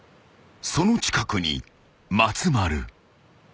［その近くに松丸］